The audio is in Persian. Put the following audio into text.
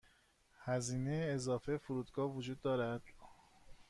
هزینه اضافه فرودگاه وجود دارد.